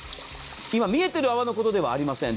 今、見えてる泡のことではありません。